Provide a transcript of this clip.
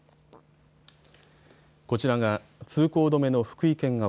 こちらが、通行止めの福井県側